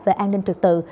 về an ninh trực tự